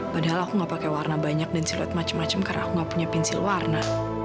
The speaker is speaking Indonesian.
padahal aku gak pakai warna banyak dan siluet macem macem karena aku gak punya pinsil warna